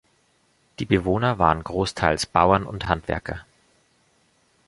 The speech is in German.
Die Bewohner waren großteils Bauern und Handwerker.